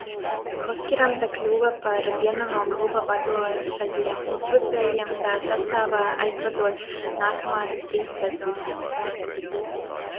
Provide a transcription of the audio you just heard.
Koskiranta kļuva par vienu no kluba vadošajiem uzbrucējiem, tā sastāvā aizvadot nākamās trīs sezonas.